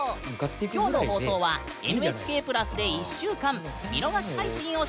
今日の放送は「ＮＨＫプラス」で１週間見逃し配信をしているよ！